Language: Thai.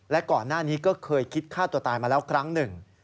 และก่อนหน้านี้ก็เคยคิดฆ่าตัวตายมาแล้วครั้งหนึ่ง